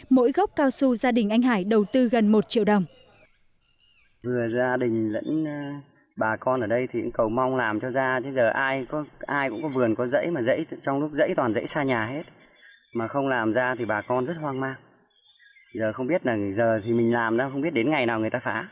mỗi gốc cao su gia đình anh hải đầu tư gần một triệu đồng